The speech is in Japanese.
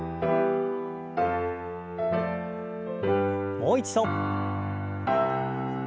もう一度。